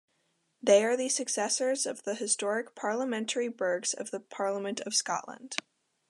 They are the successors of the historic parliamentary burghs of the Parliament of Scotland.